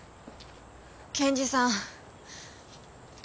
検事さん。